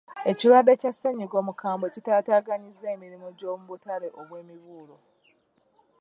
Ekirwadde kya sseennyiga omukambwe kitaataaganyizza emirimu gy'obutale obw'emibuulo..